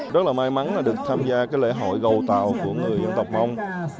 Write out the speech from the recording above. rất là may mắn được tham gia lễ hội gầu tàu của người dân tộc mông